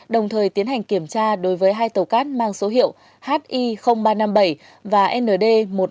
đồng thời tiến hành kiểm tra đối với hai tàu cát mang số hiệu hi ba trăm năm mươi bảy và nd một nghìn chín trăm bốn mươi một